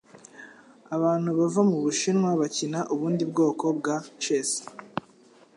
Abantu bava mubushinwa bakina ubundi bwoko bwa chess.